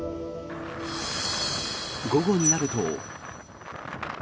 午後になると。